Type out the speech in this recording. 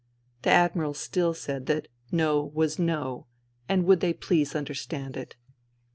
The Admiral still said that No was No, and would they please understand it